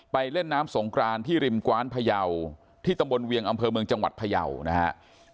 เล่นน้ำสงกรานที่ริมกว้านพยาวที่ตำบลเวียงอำเภอเมืองจังหวัดพยาวนะฮะ